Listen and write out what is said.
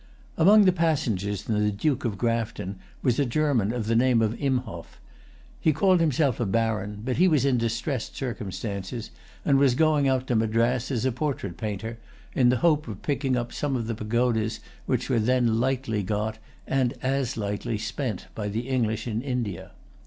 Among the passengers in the Duke of Grafton was a German of the name of Imhoff. He called himself a baron; but he was in distressed circumstances, and was going out to Madras as a portrait painter, in the hope of[Pg 125] picking up some of the pagodas which were then lightly got and as lightly spent by the English in India.